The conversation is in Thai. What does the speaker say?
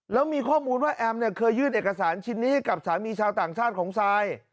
แล้วมีข้อมูลว่าแอมเนี่ยเคยยื่นเอกสารชิ้นนี้ให้กับสามีชาวต่างชาติของซาย